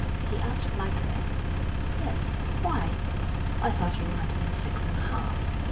he asked lightly. 'Yes, why?' 'I thought you might mean six and a half.'